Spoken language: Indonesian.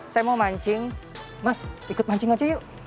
saya mau mancing mas ikut mancing aja yuk